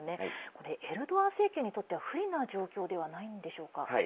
これ、エルドアン政権にとっては不利な状況ではないんでしょうか。